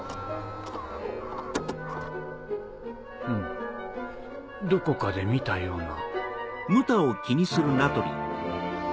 フムどこかで見たような。